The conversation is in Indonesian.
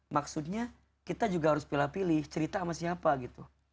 maksudnya kita juga harus pilih pilih cerita sama siapa gitu